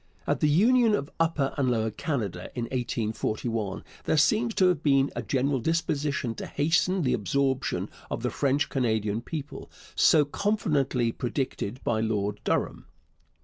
At the union of Upper and Lower Canada in 1841 there seems to have been a general disposition to hasten the absorption of the French Canadian people, so confidently predicted by Lord Durham.